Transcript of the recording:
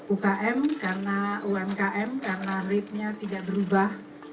umkm karena rate nya tidak berubah